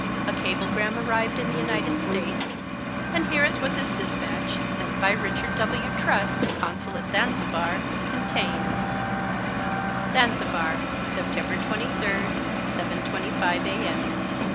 A cablegram arrived in the United States, and here is what this dispatch, sent by Richard W. Trust, Consul at Zanzibar, contained: "Zanzibar, Sept. 23, 7:25 A.M."